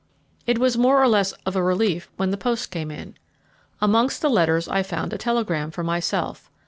It was more or less of a relief when the post came in. Amongst the letters I found a telegram for myself.